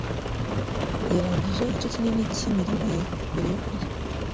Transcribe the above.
Yarangije igice kinini cyimirimo ye mbere yo kurya.